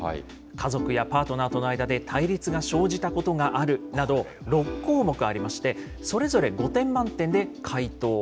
家族やパートナーとの間で対立が生じたことがあるなど６項目ありまして、それぞれ５点満点で回答。